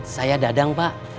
saya dadang pak